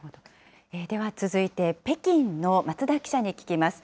では続いて、北京の松田記者に聞きます。